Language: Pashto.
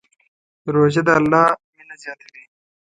روژه د الله مینه زیاتوي.